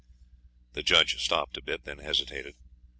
The judge stopped a bit; then hesitated.